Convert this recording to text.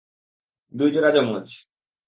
দুই জোড়া যমজ।